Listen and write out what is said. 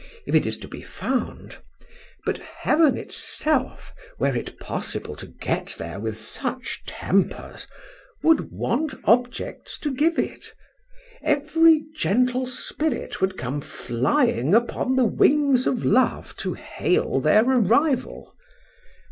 if it is to be found; but heaven itself, were it possible to get there with such tempers, would want objects to give it; every gentle spirit would come flying upon the wings of Love to hail their arrival.